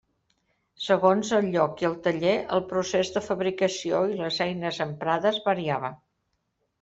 Segons el lloc i el taller, el procés de fabricació i les eines emprades variava.